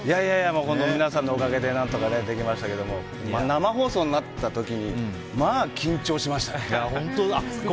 皆さんのおかげで何とかできましたけども生放送になった時にまあ緊張しましたね。